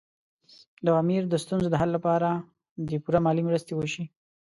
د امیر د ستونزو د حل لپاره دې پوره مالي مرستې وشي.